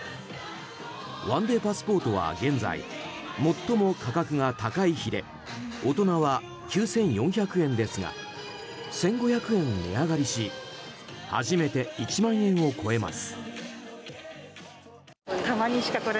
ワンデーパスポートは現在最も価格が高い日で大人は９４００円ですが１５００円値上がりし初めて１万円を超えます。